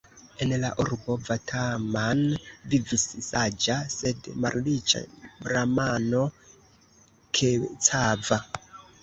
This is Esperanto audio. En la urbo Vataman vivis saĝa, sed malriĉa bramano Kecava.